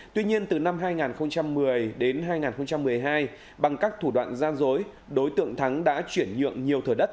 tuy nhiên từ năm hai nghìn một mươi đến hai nghìn một mươi hai bằng các thủ đoạn gian dối đối tượng thắng đã chuyển nhượng nhiều thửa đất